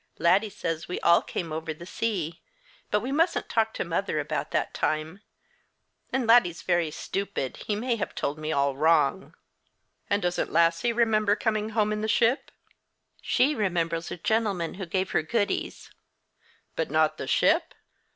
Laddie says we all came over the sea but we mustn't talk to mother about that time, and Laddie's very stupid he may have told me all wrong." "And doesn't Lassie remember coming home in the ship?" "She remembers a gentleman who gave her goodies." "But not the ship?"